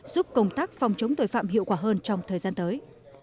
giúp công tác phòng chống tội phạm hiệu quả hơn trong thời gian tới